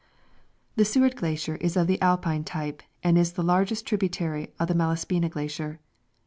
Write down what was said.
The Seward Glacier is of the Alpine type, and is the largest tributary of the Malaspina glacier.